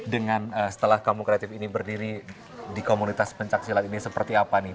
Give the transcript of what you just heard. dengan setelah kamu kreatif ini berdiri di komunitas pencaksilat ini seperti apa nih